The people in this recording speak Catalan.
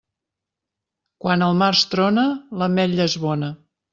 Quan al març trona, l'ametla és bona.